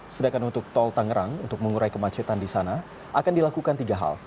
sedangkan untuk tol tangerang untuk mengurai kemacetan di sana akan dilakukan tiga hal